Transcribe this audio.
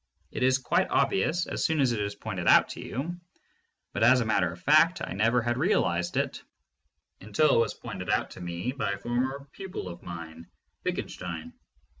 It is quite obvious as soon as it is pointed out to you, but as a matter of fact I never had realized it until it was pointed out to me by a former pupil of mine, Wittgenstein.